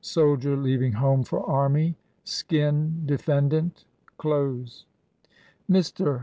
Soldier leaving home for army. Skin defendant. Close." Mr.